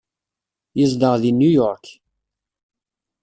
Yezdeɣ deg New York.